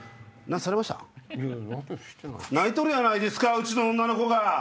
泣いとるやないですかうちの女の子が！